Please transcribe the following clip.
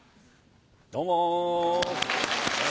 どうも。